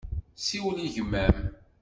Siwel i gma-m.